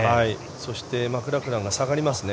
そして、マクラクランが下がりますね。